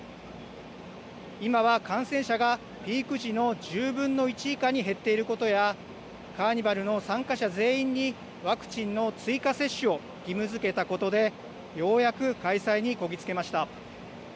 今は感染者がピーク時の１０分の１以下に減っていることや、カーニバルの参加者全員にワクチンの追加接種を義務づけたことで、ようやく開催にこぎ着けました。